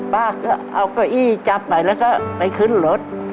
ป้าก็เอาเก้าอี้จับไปแล้วก็ไปขึ้นรถ